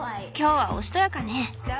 今日はおしとやかね。